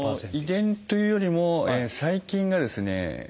遺伝というよりも細菌がですね